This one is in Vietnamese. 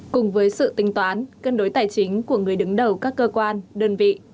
cùng với sự tính toán cân đối tài chính của người đứng đầu các cơ quan đơn vị